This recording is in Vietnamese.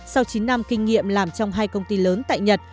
sau chín năm kinh nghiệm làm trong hai công ty lớn tại nhật